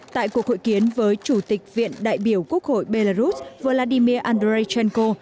tại cuộc hội kiến với chủ tịch viện đại biểu quốc hội belarus vladimir andreychenko